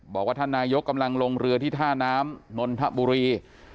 บอกว่าท่านนายกกำลังลงเรือที่ท่าน้ำนนทบุรี